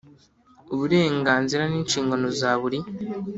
Uburenganzira n inshingano za buri